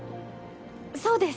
そうです！